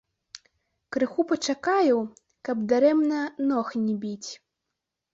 Крыху пачакаю, каб дарэмна ног не біць.